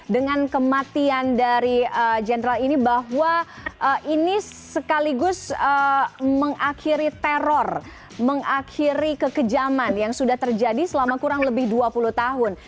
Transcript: dengan kematian dari general ini bahwa ini sekaligus mengakhiri teror mengakhiri kekejaman yang sudah terjadi selama kurang lebih dua puluh tahun